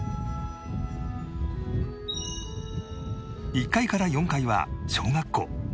１階から４階は小学校